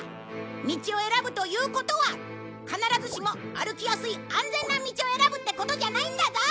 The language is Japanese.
道を選ぶということは必ずしも歩きやすい安全な道を選ぶってことじゃないんだぞ！